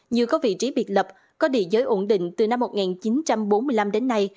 như có vị trí biệt lập có địa giới ổn định từ năm một nghìn chín trăm bốn mươi năm đến nay